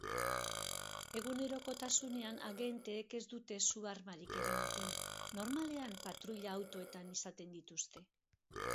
Egunerokotasunean agenteek ez dute su-armarik eramaten, normalean patruila-autoetan izaten dituzte.